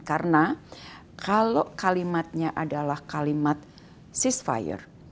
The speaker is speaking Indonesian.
karena kalau kalimatnya adalah kalimat ceasefire